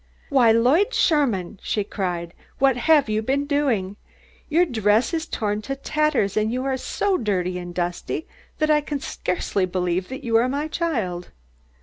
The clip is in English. "Why, Lloyd Sherman!" she cried. "What have you been doing? Your dress is torn to tatters, and you are so dirty and dusty that I can scarcely believe that you are my child!"